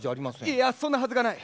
いや、そんなはずがない。